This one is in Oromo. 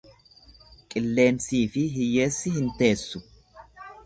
Qilleensiifi hiyyeessi hin teessu.